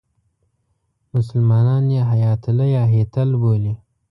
مسلمانان یې هیاتله یا هیتل بولي.